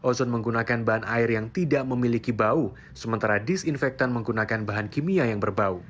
ozon menggunakan bahan air yang tidak memiliki bau sementara disinfektan menggunakan bahan kimia yang berbau